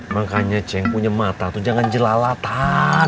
makanya ceng punya mata tuh jangan jelalatan